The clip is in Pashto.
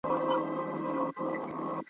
چي په سترګه یې له لیري سوله پلنډه !.